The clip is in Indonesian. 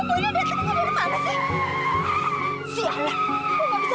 li ini semua gara gara kamu